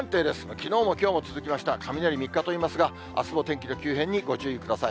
きのうもきょうも続きました、雷三日と言いますが、あすも天気の急変にご注意ください。